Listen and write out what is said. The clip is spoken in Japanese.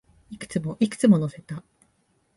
いくつも、いくつも乗せた